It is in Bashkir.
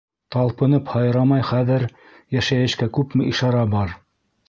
Талпынып һайрамай хәҙер Йәшәйешкә күпме ишара бар!